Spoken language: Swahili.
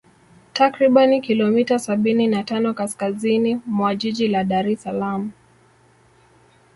Takribani kilomita sabini na tano kaskaziini mwa Jiji la Daressalaam